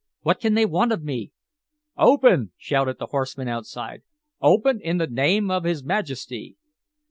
What can they want of me?" "Open!" shouted the horsemen outside. "Open in the name of his Majesty!"